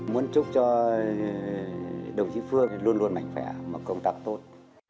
muốn chúc cho đồng chí phương luôn luôn mạnh khỏe và công tạp tốt